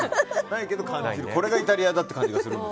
これがイタリアだという感じがする。